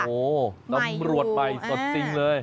โอ้โหตำรวจไปสดสิ้นเลย